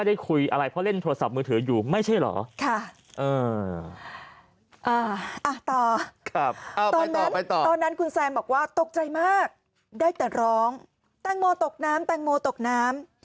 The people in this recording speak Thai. ได้แต่ร้องแตงโมตกน้ำแตงโมตกน้ำ